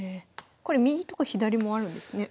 これ右とか左もあるんですね。